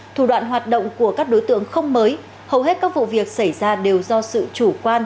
thủ đoạn hoạt động của các đối tượng không mới hầu hết các vụ việc xảy ra đều do sự chủ quan